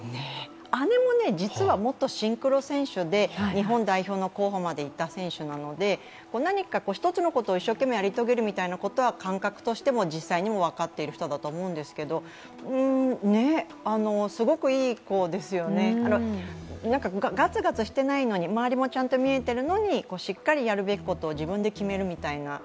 姉も元シンクロ選手で、日本代表までいった選手なので、何か一つのことをやり遂げる感覚としても実際にも分かっている人だと思うんですけどすごくいい子ですよね、ガツガツしてないのに周りもちゃんと見えてるのに、しっかりやるべきことを自分で決めるみたいな。